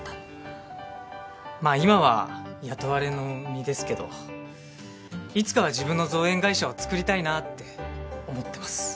まあ今は雇われの身ですけどいつかは自分の造園会社をつくりたいなって思ってます。